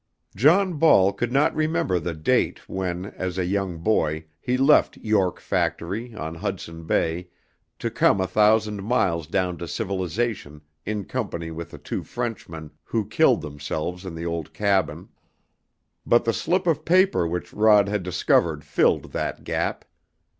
John Ball could not remember the date when, as a young boy, he left York Factory, on Hudson Bay, to come a thousand miles down to civilization in company with the two Frenchmen who killed themselves in the old cabin. But the slip of paper which Rod had discovered filled that gap.